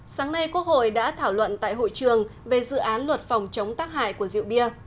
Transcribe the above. sáng nay quốc hội đã thảo luận tại hội trường về dự án luật phòng chống tác hại của rượu bia